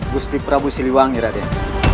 gusti prabu siliwangi raden